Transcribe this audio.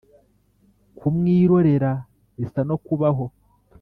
Kumwirorera bisa no kubaho